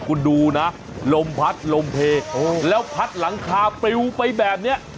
คุณดูนะลมพัดลมเพลแล้วพัดหลังคาปลิวไปแบบนี้